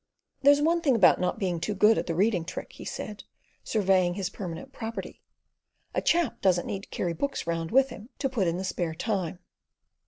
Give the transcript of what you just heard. "There's one thing about not being too good at the reading trick," he said, surveying his permanent property: "a chap doesn't need to carry books round with him to put in the spare time."